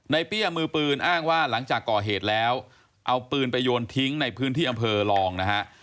เปี้ยมือปืนอ้างว่าหลังจากก่อเหตุแล้วเอาปืนไปโยนทิ้งในพื้นที่อำเภอรองนะฮะ